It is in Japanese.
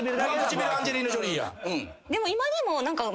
でも今にも。